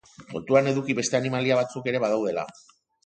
Kontuan eduki beste animalia batzuk ere badaudela.